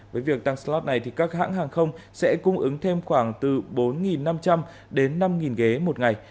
với việc tăng slot này các hãng hàng không sẽ cung ứng thêm khoảng từ bốn năm trăm linh đến năm ghế một ngày